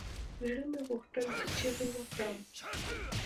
زړه مې غوښتل چې چيغه وکړم.